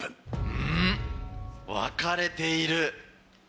うん？分かれている。